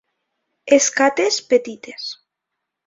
Escates petites.